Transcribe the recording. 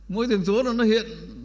môi trường số nó hiện